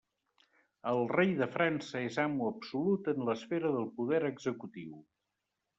El rei de França és amo absolut en l'esfera del poder executiu.